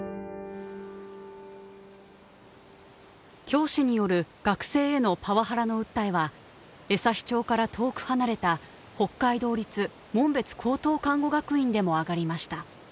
教師による学生へのパワハラの訴えは江差町から遠く離れた北海道立紋別高等看護学院でも上がりました。